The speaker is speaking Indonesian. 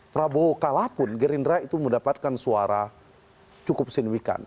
prabowo kalaupun gerindra itu mendapatkan suara cukup sinuikan